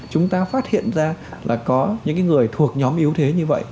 chúng ta phát hiện ra là có những người thuộc nhóm yếu thế như vậy